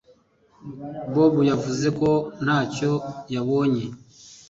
Bobo yavuze ko ntacyo yabonye